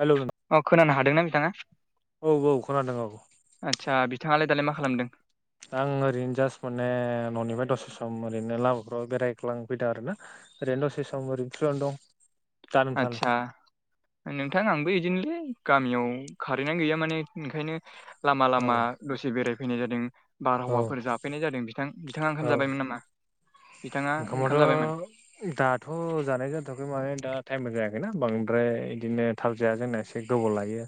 Hello नों अ खोनानो हादोंना नोंथाङा? औ औ खोनादों औ आदसा बिथाङालाय दालाय मा खालामदों? आं ओरैनो जास्ट माने न'निफ्राय दसे सम ओरैनो लामाफ्राव बेरायग्लांफैदों आर ना ओरैनो दसे सम ओरैनो रेष्टुरेदाव दं दा नोंथाङालाय? आतसा नोंथां आंबो इदिनोले गामियाव खारेनानो गैया माने ओंखायनो लामा औ लामा दसे बेरायफैनाय जादों औ बारहावाफोर जाफैनाय जादों बिथां बिथाङा औ ओंखाम जाबायमोन नामा? बिथाङा ओंखाम ओंखामाथ' जाबायमोन दाथ' जानाय जाथ'वाखै माने दा टाइमबो जायाखैना बांद्राय इदिनो थाब जाया जोंना एसे गोबाव लायो।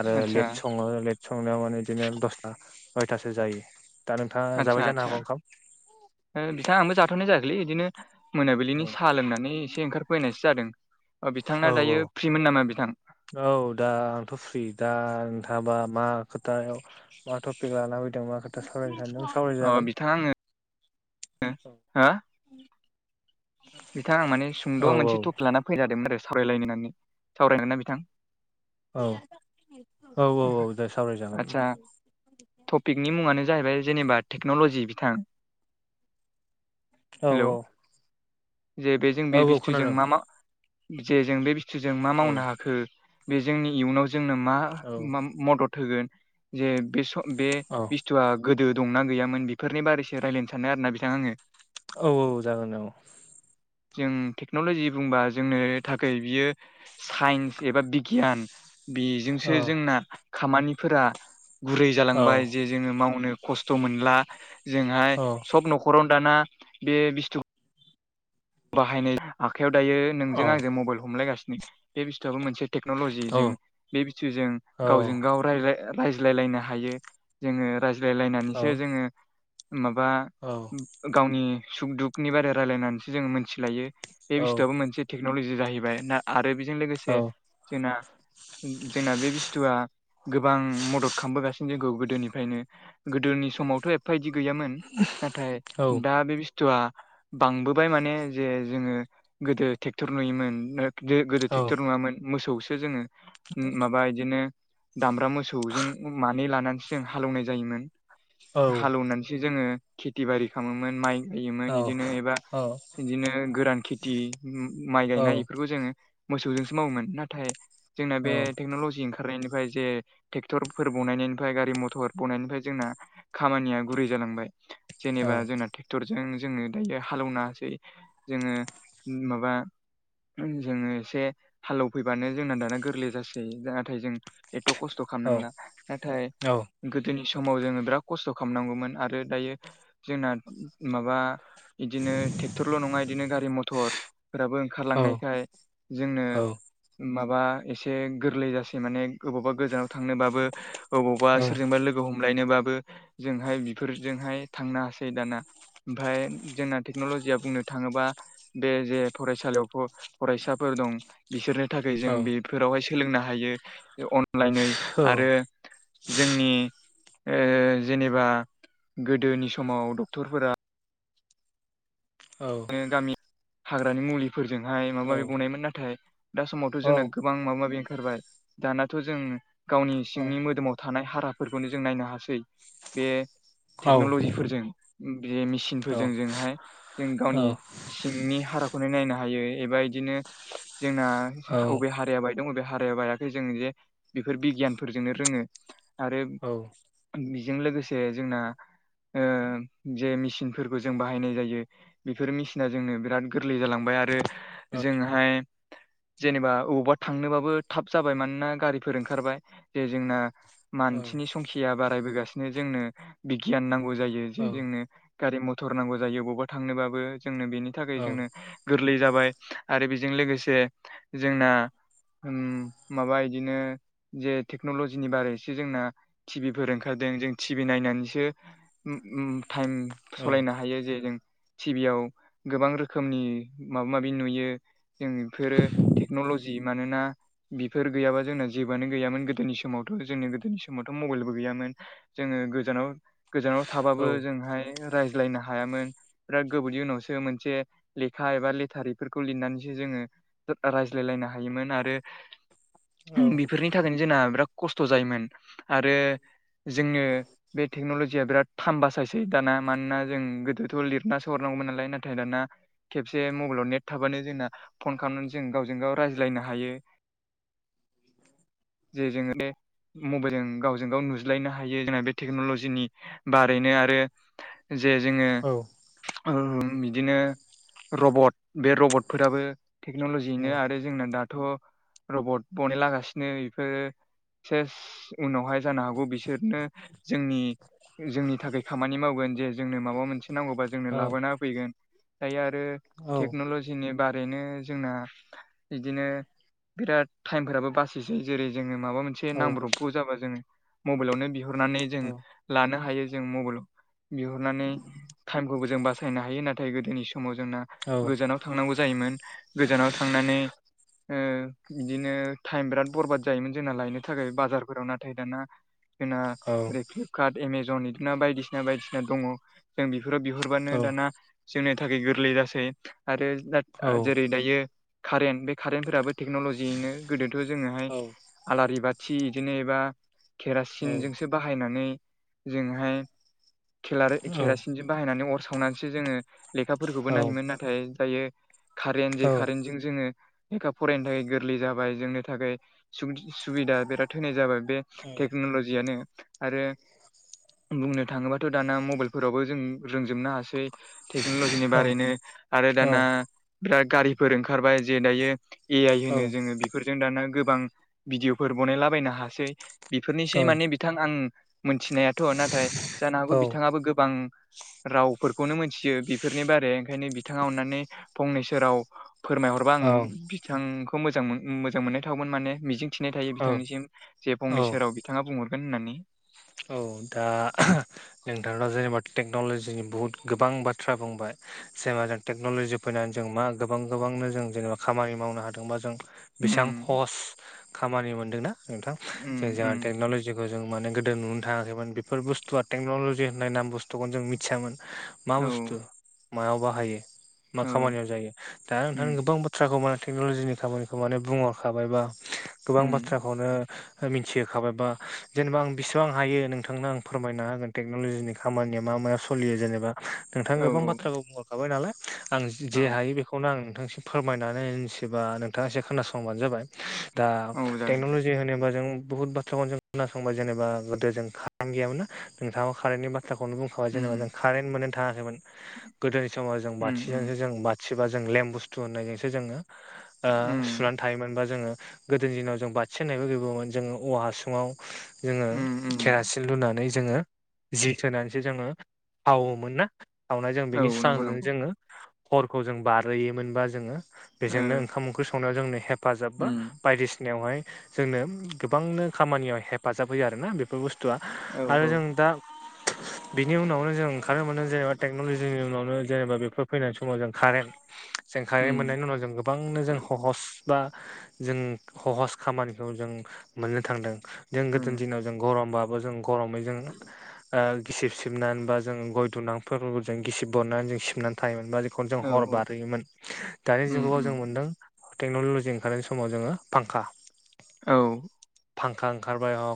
आरो आदसा लेट सङो लेट संनायाव माने बिदिनो दसथा नयथासो जायो। दा नोंथाङा जाबाय आदसा जानो आदसा हागौ ओंखाम बिथाङा आंबो जाथ'नाय जायाखैलै इदिनो मोनाबिलिनि औ साहा लोंनानै एसे ओंखारफैनायसो जादों औ बिथांना औ दायो फ्रिमोन नामा बिथां? औ दा आंथ' फ्रि दा नोंथाङाबा मा खोथायाव मा टपिक लाना फैदों मा खो सारावनो सानदों सावराय अ जागोन। बिथाङा आङो हो बिथां आं माने सुंद' मोनसे टपिक लाना फैजादोंमोन आरो सावरायलायनो होननानै सावरायगोन ना बिथां? औ औ औ औ दे सावरायजागोन आदसा ओम। टपिकनि मुङानो जाहैबाय जेनेबा टेक्न'ल'जि बिथां। औ हेलौ औ। जे बे जों औ बे औ बिस्थुजों खोनादों मा मा जे जों बे बिस्थुजों मा औ मावनो हाखो? बे जोंनि इयुनाव जोंनो मा औ मा मदद होगोन जे बे स बे औ बेस्थुआ गोदो दंना गैयामोन बेफोरनि बारैसो रायज्लायनो सानो आरोना बिथां आंङो। औ औ जागोन जागोन। जों टेक्न'ल'जि बुंबा जोंनो थाखाय बियो साइन्स एबा बिगियान औ बेजोंसो जोंना खामानिफोरा गुरै औ जालांबाय जे जोङो मावनो खस्थ मोनला जोंहा ए औ सब नखराव दाना बे बिस्थुखो बाहायनाय आखायाव दायो औ नोंजों आंजों मबाइल हमलायगासिनो बे बिस्थुआबो मोनसे टेक्न'लजि औ औ जों बे बिथिंजों गावजों गाव रायज्लाय रायज्लायलायनो हायो जोङो रायज्लायलायनानैसो जोङो माबा औ। गावनि सुख दुखनि बारै रायलायनानैसो जोङो मोनथिलायो बे बस्थुआबो मोनसे टेक्नलजि जाहैबाय ना आरो बेजों लोगोसे जोंना जोंना बे बेस्थुआ गोबां मदद खालामबोगासिनो जोंखौ गोदोनिफ्रायनो गोदोनि समावथ' एफफाइदि गैयामोन नाथाय दा बे बेस्थुआ बांबो फाय माने जे जोंङो गोदो ट्रेक्टर नुयोमोन गो-गोदो ट्रेक्टर नङामोन मोसौसो जोङो माबा इदिनो दामब्रा मोसौजों मानै लानानैसो जों हालेवनाय जायोमोन। हालौवनानैसो जोङो खेथि बारि खालामोमोन माइ गायोमोन बिदिनो एबा बिदिनो गोरान खेथि माइ गायनाय बेफोरखौ जोङो मोसौजोंसो मावोमोन नाथाय जोंना बे टेक्नलजि ओंखार रेनायनिफ्राय जे ट्रेक्टरफोर बनायनिफ्राय गारि मथर बनायनिफ्राय जोंना खामानिया गुरै जालांबाय जेनेबा जोंना ट्रेक्टरजों जोङो दायो हालेवना जोङो माबा जोङो एसे हालेवफैबानो जोंना दाना गोरलै जासै नाथाय जों एथ' खस्थ' खामनांला, नाथाय गोदोनि समाव जोङो बिराद खस्थ' खालामनांगौमोन आरो दायो जोंना माबा इदिनो टेक्ट'रल' नङा इदिनो गारि मथरफोराबो ओंखारलांनायखाय जोंनो माबा एसे गोरलै जासै माने अबावबा गोजानाव थांनोबाबो ओबावबा सोरजोंबा लोगो हम लायनोबाबो जोंहाय बेफोरजोंहाय थांनो हासै दाना ओमफ्राय जोंना थे टेक्न'लजिया बुंनो थाङोबा बे जे फरायसालियाव फ' फरायसाफोर दं। बिसोरनो थाखाय जों बेफोरावहाय सोलोंनो हायो अनलाइनै आरो जोंनि ओ जेनेबा गोदोनि समाव डक्टरफोरा औ। गामि हाग्रानि मुलिफोरजोंहाय माबा औ माबि गनायमोन नाथाय दा औ समावथ' जोंना गोबां माबा माबि ओंखारबाय दानाथ' जों गावनि सिंनि मोदोमाव थानाय हाराफोरखौनो जों नायनो हासै बे टेक्न'ल'जिफोरजों बे मेसिनफोरजों जोंहाय जों गावनि सिंनि हाराखौनो नायनो हायो एबा इदिनो जोंना बबे हाराया बायदों बबे हाराया बायाखै जों जे बेफोर बिगियानफोरजोंनो रोङो आरो औ। बेजों लोगोसे जोंना ओ जे ओ मेसिनफोर जों बाहायनाय जायो। बेफोर मेसिना जोंनो बिराद गोरलै जालांबाय आरो ओजोंहाय जेनेबा अबावबा थांनोबाबो थाब जाबाय मानोना गारिफोर ओंखारबाय जे जोंना मानसिनि संखिया बारायबोगासिनो जोंनो बिगियान नांगौ जायो जे जोंनो गारि मथ'र नांगौ जायो बबावबा थांनोबाबो जोंनो बेनि थाखाय जोंनो गोरलै जाबाय आरो बेजों लोगोसे जोंना ओम माबा इदिनो जे टेक्न'लजिनि बारैसो जोंना टिभिफोर ओंखारदों जों टिभि नायनानैसो ओम ओम टाइम सलायनो हायो जे जों टिभियाव गोबां रोखोमनि माबा माबि नुयो। जों बेफोरो टेक्न'ल'जि मानोना बिफोर गैयाबा जोंना जेबोआनो गैयामोन गोदोनि समावथ' जोंनि गोदोनि समावथ' मबाइलबो गैयामोन। जोङो गोजानाव गोजानाव थाबाबो जोंहाय रायज्लायनो हायामोन। बिराद गोबानि उनावसो मोनसे लेखा एबा लेटार इफोरखौ लिरनानैसो जोङो रायज्लायलायनो हायोमोन आरो बेफोरनि बेनि थाखायनो जोंना बिराद खस्थ' जायोमोन आरो जोंनो बे टेक्न'लजिया बिराद थाइम बासायसै दाना मानोना जों गोदोथ' लिर ना सोहरनांगोमोन नालाय नाथाय दाना खेबसे मबाइलाव नेट थाबानो जोंना फन खालामनानै जों गावजों गाव रायज्लायनो हायो। जे जोङो दे मबाइलजों गावजों गाव नुज्लायनो हायो जोंना बे टेक्न'लजिनि बारैनो आरो जे जोङो ओम बिदिनो रबट बे रबटफोराबो टेक्न'लजियैनो आरो जोंना दाथ' रबट बनायलागासिनो बेफोरो सेस उनावहाय जानो हागौ बिसोरनो जोंनि जोंनि थाखाय खामानि मावगोन जे जोंनो माबा मोनसे नांगौबा जोंनो लाबोना फैयगोन दायो आरो टेक्न'लजि जोंनि बारैनो जोंना बिदिनो बिराद टाइमफोराबो बासिसै। जेरै जोङो माबा मोनसे औ नांब्रबगौ जाबा जोङो मबाइलावनो बिहरनानै जों लानो हायो जों मबाइलाव बिहरनानै टाइमखौबो जों बासाय नो हायो नाथाय गोदोनि समाव जोंना गोजानाव थांनांगौ जायोमोन गोजानाव थांनानै ओ बिदिनो टाइम बिराद बरबाद जायोमोन जोंना लायनो थाखाय बाजारफोराव नाथाय दाना जोंना कार्ट एमेजन बिदिना बायदिसिना बायदिसिना दङ जों बेफोराव बिहरबानो दाना जोंनि थाखाय गोरलै जासै आरो जेरै दायो कारेन्ट बे कारेन्टफोराबो टेक्न'लजिनो गोदोथ' जोङोहाय आलारि बाथि बिदिनो एबा केरासिनजोंसो बा बाहायनानै जोंहाय खिलार खेरसिन जों बाहायनानै अर सावनानैसो जोंङो लेखाफोरखौबो नायोमोन नाथाय दायो कारेन्ट जे कारेन्टजों जोङो लेखा फरायनो थाखाय गोरलै जाबाय। जोंनि थाखाय सुबि सुबिदा बिराद होनाय जाबाय बे टेक्न'लजियानो आरो बुंनो थाङोबाथ' दाना मबाइलफोरावबो जों रोंजोबनो हासै टेक्न'लजिनि बारैनो आरो दाना बिराद गारिफोर ओंखारबाय जे दायो ए आइ होनो जोङो बेफोरजों दाना गोबां भिडिअफोर बनायलाबायनो हासै बेफोरनिसै माने बिथां आं मोनथिनायाथ' नाथाय जानो हागौ बिथाङाबो गोबां रावफोरखौनो मोनथियो बेफोरनि बारै ओंखायनो बिथाङा अन्नानै फंनैसो राव फोरमायहरबा आं बिथांखौ मोजां मोन मोजां मोननाय थावौमोन माने मिजिं मिथिनाय थायो बिथांनिसिम जे फंनैसो राव बिथाङा बुंहरगोन होननानै। औ दा ओ नोंथांना जेनेबा टेक्न'लजिनि बहुत गोबां बाथ्रा बुंबाय जेनेबा जों टेक्न'लजि फैनानै जों मा गोबां गोबांनो जों जेनेबा खामानि मावनो हादोंबा जों उम बेसेबां हहस खामानि मोनदोंना नोंथां उम जे जोंहा उम टेक्न'लजिखौ जों माने गो नुनो थाङाखैमोन बेफोर बुस्थुआ टेक्न'लजि होननाय नाम बुस्थुखौनो जों मिथियामोन मा औ बुस्थु मायाव बाहायो, मा औ खामानियाव जायो। दा नोंथां उम गोबां बाथ्राखौ मा टेक्न'लजिनि खामानिखौ माने बुंहरखाबायबा। गोबां उम बाथ्राखौनो मिथिहोखाबायबा जेनेबा आं बेसिबां हायो नोंथांनो आं फोरमायना हागोन टेक्न'लजिनि खामानिया मा माया सोलियो जेनेबा नोंथाङा औ गोबां बाथ्राखौ बुंहरखाबाय नालाय आं औ जे हायो बेखौनो आं नोंथांसिम फोरमायनानै होनोसै बा नोंथाङा एसे खोनासंबानो जाबाय दा औ जागोन टेक्न'लजि जे होनोबा जों बुहुद बाथ्राखौ जों खोनासंबाय जेनेबा गोदो जों कारेन गैयामोन ना नोंथांङा बो कारेन्टनि बा थ्रा खौनो बुंखाबाय जेनेबा उम जों कारेन्ट मोननो थाङाखैमोन गोदोनि समाव जों उम बाथिजोंसो जों बाथ थि बा जों लेम बुस्थु होननायजोंसो जोङो ओ उम उम सुनानै थायोमोनबा जोङो गोदोनि दिनाव जों बाथि होननायबो गैबावामोन जोंङो औवा हासुङाव जोङो उम उम केरासिन लुनानै जोङो जि सोनानैसो जोंङो हावोमोन ना हावना जों औ बेनि नंगौ स्रांजोंनो नंगौ जोंङो हरखौ जों बारहोयोमोनबा जोङो ओ बेजोंनो ओंखाम ओंख्रि संनायाव जोंनो हेफाजाब बा उम बायदिसिनायावहाय जोंनो गोबांनो खामानियाव हेफाजाब होयो आरोना बे बे बुस्थुआ औ आरो औ जों दा [inaudible] बिनि उनावनो जों ओंखारनो मोनो जेनेबा टेक्नलजिनि उनावनो जेनेबा बेफोर फैनाय समाव जों कारेन्ट [inaudible] जों उम खारेन मोननायनि उनाव जों गोबांनो जों ह'हस बा जों ह'हस खामानिखौ जों मोननो थांदों जों गोदोनि उम दिनाव जों गरमबाबो जों गरमै जों ओ गिसिब सिबनानै बा जों गय दुनाफोरखौ जों गिसिब बनायनानै जों सिबनानै थायोमोन बा जों हर जों औ हर बारहोयोमोन दानि उम जुगाव उम जों मोनदों टेक्न'ल'जि ओंखारनाय समाव जोङो फांखा औ। फांखा ओंखारबाय अ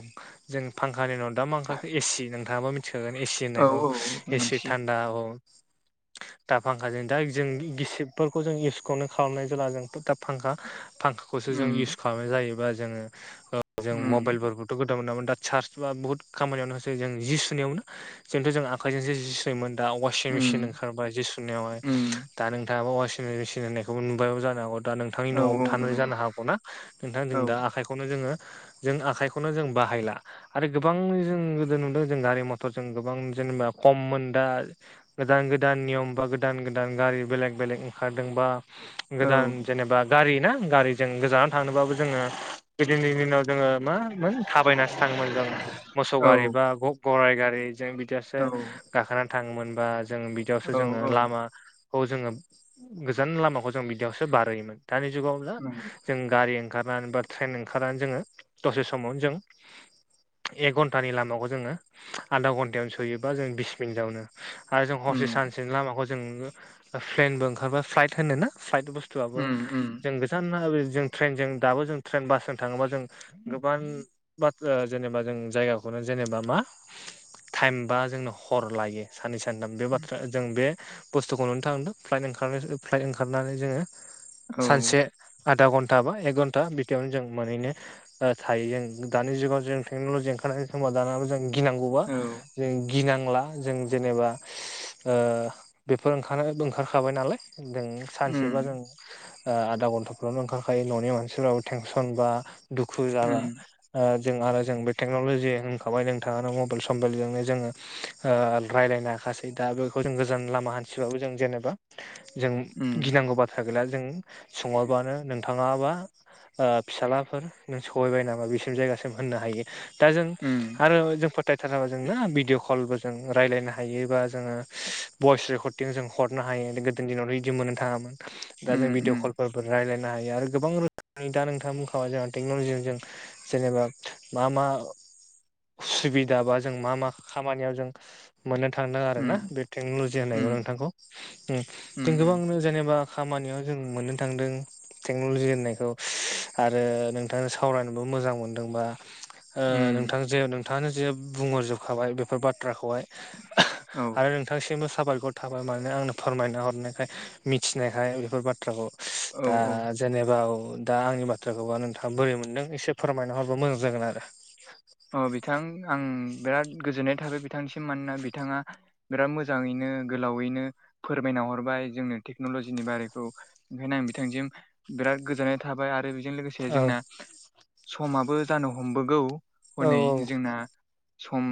जों फांखानि उनाव दा मा ओंखारखो एसि नोंथाङाबा मिथिखागोन एसि औ होननायखौ औ ए सि मोनथियो थान्दा औ [inaudible] दा फांखाजों दा जों गिसिबफोरखौ जों इउसखौनो खालामनाय जाला जों दा फांखा फांखाखौसो जों इउस उम खालामनाय जायोबा जोङो ओ जों उम म थ' गोदाव मोनामोन दा चार्स बा बहुत खामानियावनो जों जि सुनायावनो जोंथ' जों आखाइजोंसो जि सु मोन दा अवासिन मेसिन उम ओंखारबाय जि सुनायावहाय उम दा नोंथाङाबा अवासि सिनायनायखौबो नुबायबो जानो हागौ दा नोंथांनि औ न'आवबो औ थानानै नुबाय जानो नुबाय हागौ ना। नोंथां जों औ दा आखाइखौनो जोङो जों आखाइखौनो जों बाहायला आरो गोबां जों गोदो नुदों जों गारि मथर जों गोबां जेनेबा खममोन दा गोदान गोदान नियम बा गोदान गोदान गारि बेलेग बेलेग ओंखारदोंबा औ गोदान जेनेबा गारि ना गारिजों गोजानाव थांनोबाबो जोङो गोदोनि दिनाव जोङो मामोन थाबायनासो थाङोमोन जों मोसौ औ गारि बा ग-गराइ गारि जों बि यावसो औ गाखोनानै थाङोमोन बा जों औ बिदियावसो जोङो औ लामा खौ जोङो गोजान लामाखौ जों बिदियावसो बारहोयोमोन दानि जुगाव ला नंगौ जों गारि ओंखारनानै बा ट्रेन ओंखारनानै जोंङो दसे समावनो जों एक घन्टानि लामाखौ जोङो आधा घन्टायावनो सौहैयो बा जों बिस मिनिटावनो आरो जों उम हरसे सानसेनि लामाखौ जों फ्लेनबो ओंखारबा फ्लाइट होनो ना फ्लाइट बुस बुस्थुआबो उम उम जों गोजान जों ट्रेनजों दाबो जों ट्रेन बासजों थाङोबा जों गोबांन बाथ्रा जेनेबा जों जायगाखौनो जेनेबा मा टाइमबा जोंनो हर लायो सानैसो बे बाथ्रा जों बे बुस्थुखौ नुनो थांदों फ्लाइट ओंखार फ्लाइट ओंखारनानै जोङो औ सानसे आधा घन्टा बा एक घन्टा बिदियावनो जों मोनैनो ओ थायो जों दानि जुगाव जों टेक्नलजि ओंखारनाय समाव दानो जों गिनांगौबा औ जों गिनांला जों जेनेबा ओ बेफोर ओंखार ओंखारखाबाय नाला दों उम सानसेबा जों ओ आधा घन्टाफ्रनो ओंखारखायो न'नि मानसिफोराबो टेंनसन बा दुखु जाला उम ओ जों आरो जों बे टेक्नलजि होनखाबाय नोंथांआनो मबाइल समबलजोंनो जोङो ओ रायज्लायनो हाखासै दा बेखौ जों गोजान लामा हान्थिबाबो जों जेनेबा जों उम गिनांगौ बा थाग्रा जों सङोबानो नोंथाङाबा आ फिसालाफोर नों सहैबाय नामा बेसिम जायगासिम होननो हायो दा जों उम आरो जों थाराबा जोंना भिडिअ कलबो जों रायजायनो हायोबा जोंङो भइस रेकर्ड जों हरनो हायो गोदो दिनावथ' बिदि मोननो थाङामोन दा जों उम भिडिअ उम कलफोरबो रायज्लायनो हायो आरो गोबां रोखोमनि दा नोंथाङा बुंखाबा जों टेक्न'लजिजों जेनेबा मा मा उसुबिदा बा जों मा मा खामानियाव जों मोननो थांदों आरो उम ना बे टेक्न'लजि होननायखौ उम नोंथांखौ उम जों गोबांनो जेनेबा खामानियाव जों मोननो थांदों टेक्न'लजि होननायखौ ओस आरो नों नोंथांआ सावरायनोबो मोजां मोनदोंबा ओ उम नोंथां जे नों नोंथाङानो जे बुंहरजोबखाबाय बेफोर बाथ्राखौहाय औ आरो नोंथांसिमबो साबायखर थाबाय माने आंनो फोरमायना हरनायखाय मिथिनायखाय बेफोर बाथ्राखौ औ दा औ जेनेबा दा आंनि बाथ्राखौबा नों बोरै मोनदों एसे फोरमायना हरबा मोजां जागोन आरो अ बिथां आं बिराद गोजोननाय थाबाय बिथांसिम मानोना बिथाङा बिराद मोजाङैनो गोलावैनो फोरमायना हरबाय जोंनो टेक्नलजिनि बारैखौ ओंखायनो आं बिथांसिम बिराद गोजोननाय थाबाय आरो बेजों लोगोसे औ जोंना समाबो जानो हमबोगौ औ हनै जोंना सम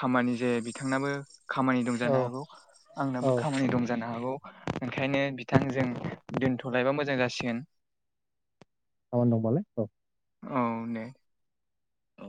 खामानि जे बिथांनाबो खामानि दं औ जानो हागौ औ आंनाबो खामानि दं जानो हागौ। ओंखायनो बिथां जों दोनथ'लायबा मोजां जासिगोन खामानि दंबालाय औ औ दे। औ